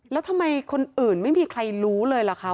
แล้วทำไมคนอื่นไม่มีใครรู้เลยเหรอคะ